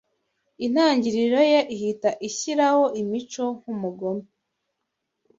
Intangiriro ye ihita ishyiraho imico nkumugome